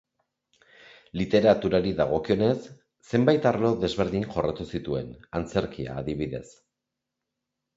Literaturari dagokionez, zenbait alor desberdin jorratu zituen, antzerkia, adibidez.